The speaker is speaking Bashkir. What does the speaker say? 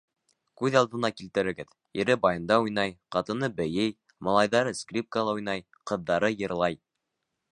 Күҙ алдына килтерегеҙ: ире баянда уйнай, ҡатыны бейей, малайҙары скрипкала уйнай, ҡыҙҙары йырлай...